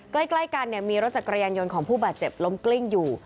ใกล้กันมีรถจักรยานยนต์ของผู้บาดเจ็บล้มกลิ้งอยู่